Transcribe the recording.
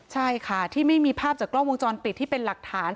ใช่ค่ะที่ไม่มีภาพจากกล้องวงจรปิดที่เป็นหลักฐาน